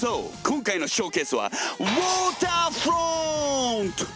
今回のショーケースはウォーターフロント！